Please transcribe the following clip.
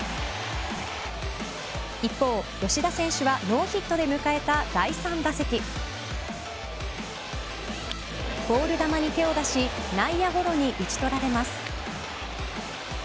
一方、吉田選手はノーヒットで迎えた第３打席ボール球に手を出し内野ゴロに打ち取られます。